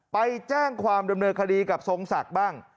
ไปแจ้งความดำเนินคดีกับทรงศักดิ์บ้าง